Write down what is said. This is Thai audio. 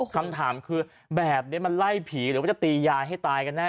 คำถามคือแบบนี้มันไล่ผีหรือว่าจะตียายให้ตายกันแน่